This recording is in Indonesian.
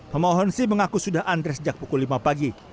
pemohon sih mengaku sudah antrean sejak pukul lima pagi